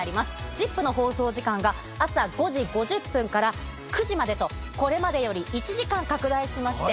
『ＺＩＰ！』の放送時間が朝５時５０分から９時までとこれまでより１時間拡大しまして。